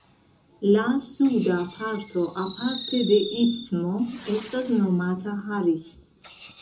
La suda parto aparte de istmo estas nomata Harris.